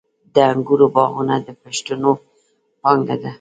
د انګورو باغونه د پښتنو پانګه ده.